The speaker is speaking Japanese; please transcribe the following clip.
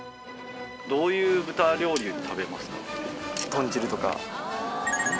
どういう豚料理を食べますか？